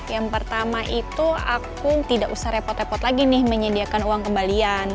yang pertama itu aku tidak usah repot repot lagi nih menyediakan uang kembalian